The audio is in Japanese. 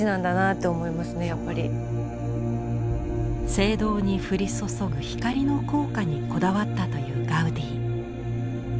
聖堂に降り注ぐ光の効果にこだわったというガウディ。